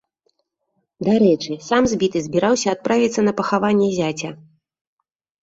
Дарэчы, сам збіты збіраўся адправіцца на пахаванне зяця.